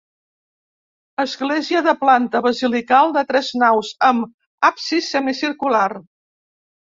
Església de planta basilical de tres naus amb absis semicircular.